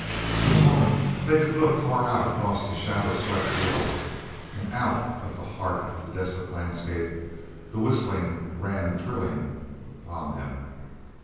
For the moment they could look far out across the shadow swept hills, and out of the heart of the desolate landscape the whistling ran thrilling upon them.